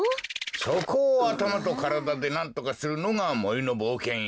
そこをあたまとからだでなんとかするのがもりのぼうけんよ。